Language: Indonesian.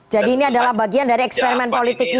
jadi ini adalah bagian dari eksperimen politiknya pan ya